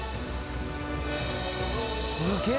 「すげえ」